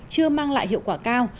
chưa mang lại hiệu quả cao